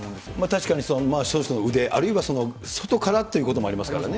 確かにその人の腕、あるいは外からということもありますからね。